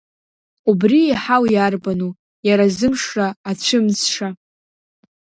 Убри еиҳау иарбану иара зымшра ацәымӡша?